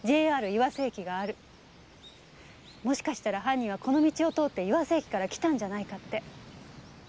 もしかしたら犯人はこの道を通って岩瀬駅から来たんじゃないかって。